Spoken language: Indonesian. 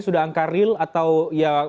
sudah angka real atau ya